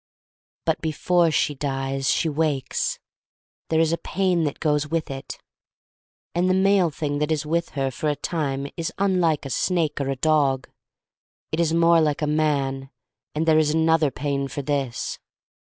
But before she dies she awakes. There is a pain that goes with it. And the male thing that is with hef for a time is unlike a snake or a dog. It IS more like a man, and there is an other pain for this.